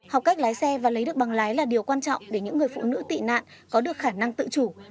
học cách lái xe và lấy được bằng lái là điều quan trọng để những người phụ nữ tị nạn có được khả năng tự chủ